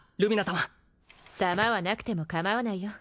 様様はなくてもかまわないよ